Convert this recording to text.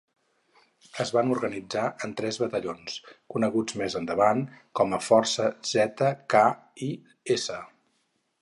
Es van organitzar en tres batallons, coneguts més endavant com a força Z, K i S.